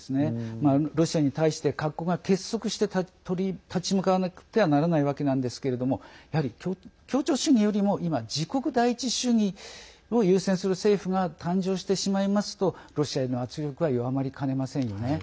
ロシアに対して各国が結束して立ち向かわなくてはならないわけなんですけどもやはり協調主義よりも今、自国第一主義を優先する政府が誕生してしまいますとロシアへの圧力は弱まりかねませんよね。